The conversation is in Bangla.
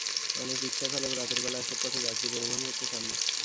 অনেক রিকশাচালক রাতের বেলা এসব পথে যাত্রী পরিবহন করতে চান না।